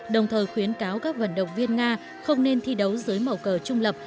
đồng thời khuyến cáo các vận động viên nga không nên thi đấu dưới màu cờ trung lập